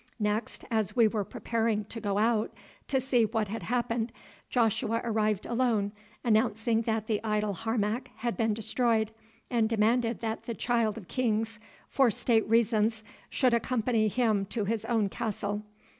Next, as we were preparing to go out to see what had happened, Joshua arrived alone, announced that the idol Harmac had been destroyed, and demanded that the Child of Kings, 'for State reasons,' should accompany him to his own castle.